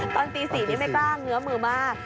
ตอนตี๔นี่ไม่กล้าเงื้อมือมาก